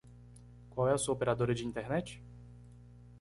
Qual é a sua operadora de internet?